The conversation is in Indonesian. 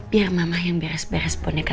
biar mama yang beres beras boneka